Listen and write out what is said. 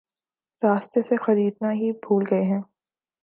راستے سے خریدنا ہی بھول گئے ہیں